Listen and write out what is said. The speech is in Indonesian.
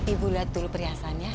ibu lihat dulu perhiasannya